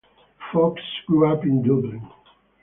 Fox grew up in Dublin.